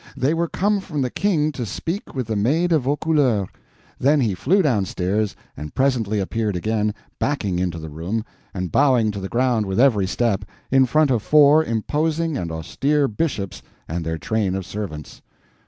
They were come from the King to speak with the Maid of Vaucouleurs. Then he flew downstairs, and presently appeared again, backing into the room, and bowing to the ground with every step, in front of four imposing and austere bishops and their train of servants.